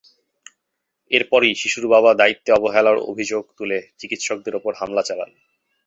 এরপরই শিশুর বাবা দায়িত্বে অবহেলার অভিযোগ তুলে চিকিৎসকদের ওপর হামলা চালান।